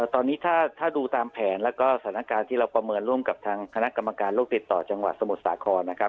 ตอนนี้ถ้าดูตามแผนแล้วก็สถานการณ์ที่เราประเมินร่วมกับทางคณะกรรมการโรคติดต่อจังหวัดสมุทรสาครนะครับ